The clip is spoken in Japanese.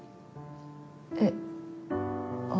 えっあ